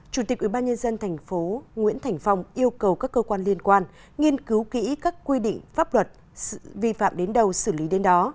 chủ tịch ubnd tp nguyễn thành phong yêu cầu các cơ quan liên quan nghiên cứu kỹ các quy định pháp luật vi phạm đến đâu xử lý đến đó